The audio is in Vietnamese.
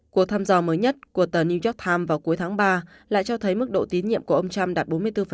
cuộc thăm dò mới nhất của tờ new york times vào cuối tháng ba lại cho thấy mức độ tín nhiệm của ông trump đạt bốn mươi bốn